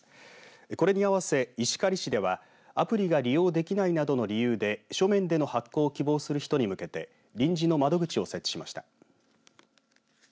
これに合わせ、石狩市ではアプリが利用できないなどの理由で書面での発行を希望する人に向けて臨時の窓口を設置しました。